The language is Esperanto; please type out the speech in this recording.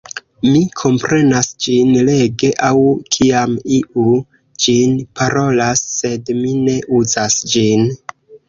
Mi komprenas ĝin lege aŭ kiam iu ĝin parolas, sed mi ne uzas ĝin.